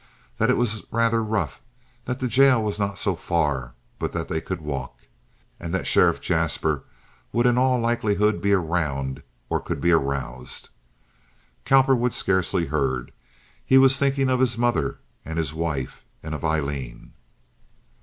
that it was rather rough, that the jail was not so far but that they could walk, and that Sheriff Jaspers would, in all likelihood, be around or could be aroused. Cowperwood scarcely heard. He was thinking of his mother and his wife and of Aileen.